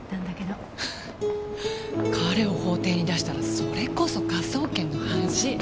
彼を法廷に出したらそれこそ科捜研の恥。